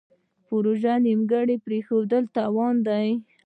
پروژې نیمګړې پریښودل تاوان دی.